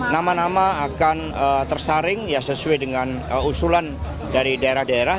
nama nama akan tersaring ya sesuai dengan usulan dari daerah daerah